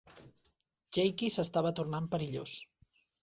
Jaikie s'estava tornant perillós.